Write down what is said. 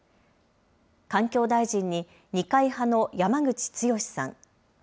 環境大臣に二階派の山口壯さん。